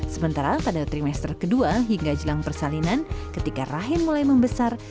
sementara pada trimester kedua hingga jelang persalinan ketika rahim mulai membesar